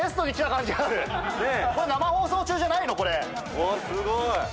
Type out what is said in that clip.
うわすごい。